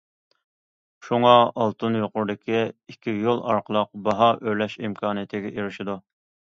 شۇڭا ئالتۇن يۇقىرىدىكى ئىككى يول ئارقىلىق باھا ئۆرلەش ئىمكانىيىتىگە ئېرىشىدۇ.